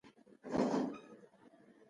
د خلکو مینه او میلمه پالنه خوږې خاطرې وې.